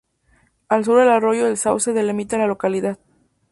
Al sur el arroyo el Sauce delimita la localidad.